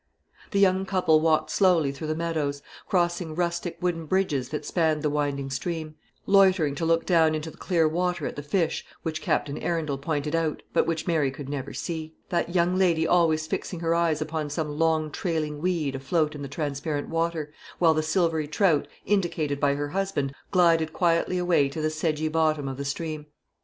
The young couple walked slowly through the meadows, crossing rustic wooden bridges that spanned the winding stream, loitering to look down into the clear water at the fish which Captain Arundel pointed out, but which Mary could never see; that young lady always fixing her eyes upon some long trailing weed afloat in the transparent water, while the silvery trout indicated by her husband glided quietly away to the sedgy bottom of the stream.